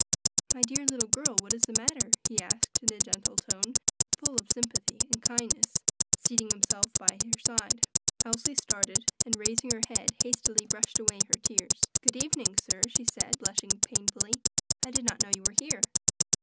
"My dear little girl, what is the matter?" he asked in a gentle tone, full of sympathy and kindness, seating himself by her side. Elsie started, and raising her head, hastily brushed away her tears. "Good evening, sir," she said, blushing painfully, "I did not know you were here."